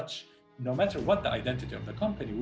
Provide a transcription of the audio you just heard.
tidak peduli identitas perusahaan apa pun kami tidak peduli